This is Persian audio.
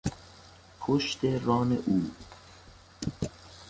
پشت ران او